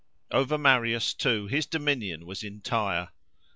Over Marius too his dominion was entire.